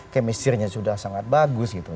kemisirnya sudah sangat bagus gitu